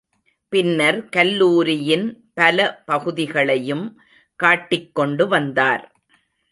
பின்னர் கல்லூரியின் பல பகுதிகளையும் காட்டிக் கொண்டு வந்தார்.